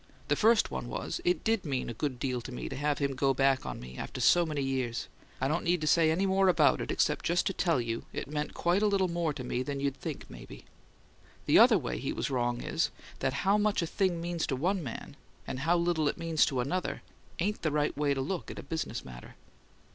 The first one was, it did mean a good deal to me to have him go back on me after so many years. I don't need to say any more about it, except just to tell you it meant quite a little more to me than you'd think, maybe. The other way he was wrong is, that how much a thing means to one man and how little it means to another ain't the right way to look at a business matter."